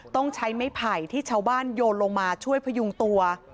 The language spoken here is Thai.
ต้องใช้ไม้ไผ่ที่ชาวบ้านโยนลงมาช่วยพยุงตัว